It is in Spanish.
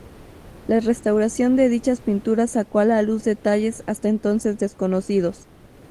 La restauración de dichas pinturas sacó a la luz detalles hasta entonces desconocidos.